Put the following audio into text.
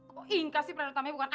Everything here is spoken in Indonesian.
kok inka sih peran utamanya bukan aku